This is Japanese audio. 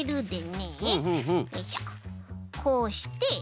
こうして。